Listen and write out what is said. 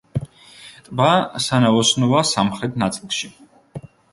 ტბა სანაოსნოა სამხრეთ ნაწილში.